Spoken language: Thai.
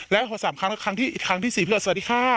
และ๓๐๐๐หรือครั้งที่เสียเพื่อนสวัสดีค่า